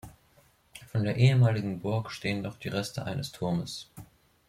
Von der ehemaligen Burg stehen noch die Reste eines Turmes.